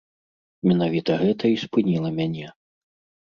Менавіта гэта і спыніла мяне.